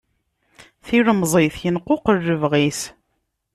Tilemẓit yenquqel lebɣi-s.